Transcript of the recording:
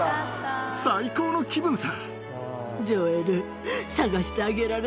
最高の気分さ。